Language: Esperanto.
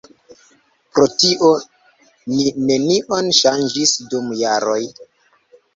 Pro tio ni nenion ŝanĝis dum jaroj.